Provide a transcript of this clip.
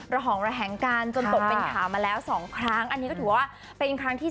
ห่องระแหงกันจนตกเป็นข่าวมาแล้ว๒ครั้งอันนี้ก็ถือว่าเป็นครั้งที่๓